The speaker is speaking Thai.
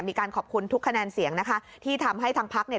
มีการขอบคุณทุกคะแนนเสียงนะคะที่ทำให้ทางพักเนี่ย